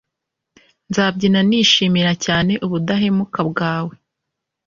nzabyina nishimira cyane ubudahemuka bwawe